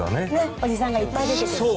おじさんがいっぱい出てくるんです。